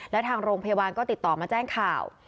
แล้วทางโรงพยาบาลก็ติดต่อมาแจ้งข่าว